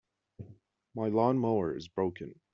My lawn-mower is broken.